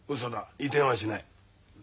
移転はしない。